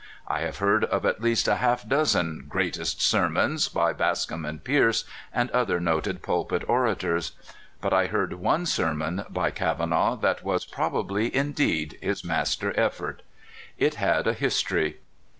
I have heard of at least a half dozen '* greatest " sermons by Bas com and Pierce, and other noted pulpit orators. But I heard one sermon by Kavanaugh that was probably indeed his master effort. It had a histo ry.